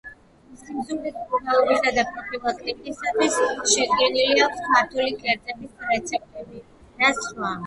სიმსუქნის მკურნალობისა და პროფილაქტიკისათვის შედგენილი აქვს ქართული კერძების რეცეპტები და სხვა.